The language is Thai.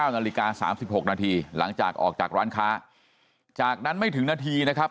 นาฬิกา๓๖นาทีหลังจากออกจากร้านค้าจากนั้นไม่ถึงนาทีนะครับ